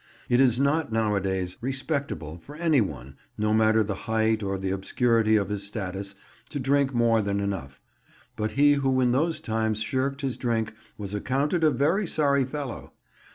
It is not, nowadays, "respectable" for any one, no matter the height or the obscurity of his status, to drink more than enough; but he who in those times shirked his drink was accounted a very sorry fellow.